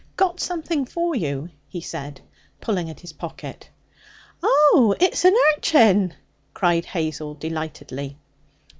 'Got something for you,' he said, pulling at his pocket. 'Oh! It's an urchin!' cried Hazel delightedly.